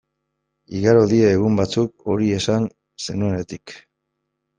Igaro dira egun batzuk hori esan zenuenetik.